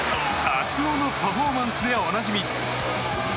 熱男のパフォーマンスでおなじみ。